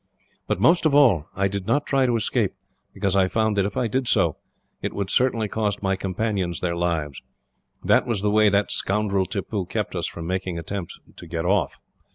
But most of all, I did not try to escape because I found that, if I did so, it would certainly cost my companions their lives. That was the way that scoundrel Tippoo kept us from making attempts to get off.